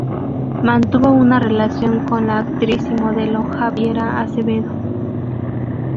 Mantuvo una relación con la actriz y modelo Javiera Acevedo.